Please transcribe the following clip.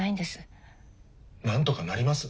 なんとかなります